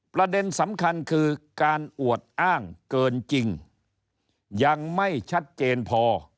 ประเด็นสำคัญคือการอวดอ้างเกินจริงยังไม่ชัดเจนพอ